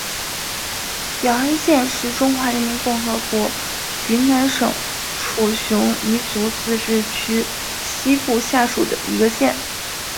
姚安县是中华人民共和国云南省楚雄彝族自治州西部下属的一个县。